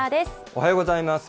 おはようございます。